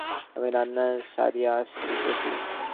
আমি রান্না সারিয়া আসিতেছি।